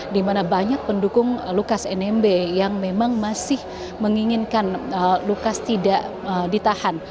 di mana banyak pendukung lukas nmb yang memang masih menginginkan lukas tidak ditahan